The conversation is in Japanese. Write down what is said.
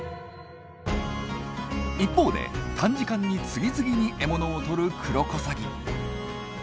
一方で短時間に次々に獲物をとるクロコサギ。